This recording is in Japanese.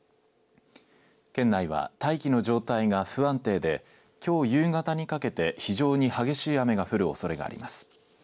県内は大気の状態が不安定できょう夕方にかけて非常に激しい雨が降るおそれがあります。